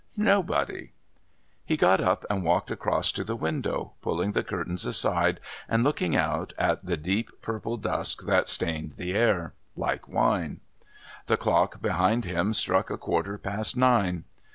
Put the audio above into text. Nobody.... He got up and walked across to the window, pulling the curtains aside and looking out at the deep purple dusk that stained the air like wine. The clock behind him struck a quarter past nine.